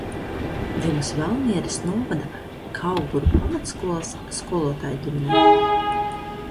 Dzimusi Valmieras novada Kauguru pagastskolas skolotāja ģimenē.